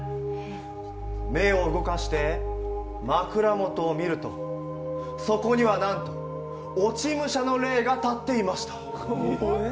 目を動かして枕元を見ると、そこにはなんと落ち武者の霊が立っていました。